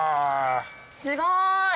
すごい。